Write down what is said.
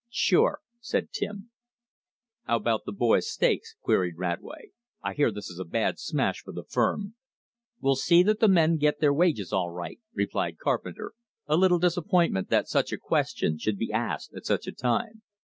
"Sure!" said Tim. "How about the boy's stakes?" queried Radway. "I hear this is a bad smash for the firm." "We'll see that the men get their wages all right," replied Carpenter, a little disappointed that such a question should be asked at such a time.